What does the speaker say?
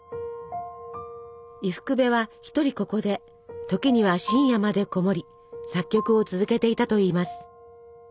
伊福部は一人ここで時には深夜までこもり作曲を続けていたといいます。